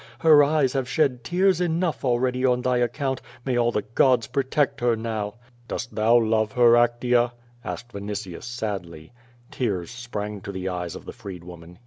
Her eyes have slied tears enough already on thy account. May all the gods protect her now." "Dost thou love her, Actea?" asked Vinitius sadly. Tears sprang to the eyes of the freed woman.